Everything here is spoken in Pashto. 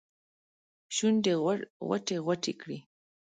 شونډې غوټې ، غوټې کړي